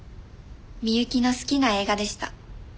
美雪の好きな映画でした。